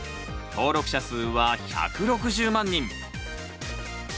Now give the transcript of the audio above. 登録者数は１６０万人。